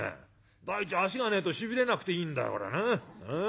第一足がねえとしびれなくていいんだからね。ええ」。